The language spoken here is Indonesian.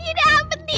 ye dia dapetin